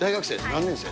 何年生？